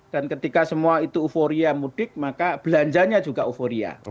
dan ketika semua itu euforia mudik maka belanjanya juga euforia